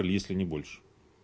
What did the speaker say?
jika tidak lebih